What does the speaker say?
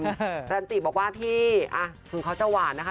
แต่อาจารย์จิบบอกว่าพี่ถึงเขาจะหวานนะคะ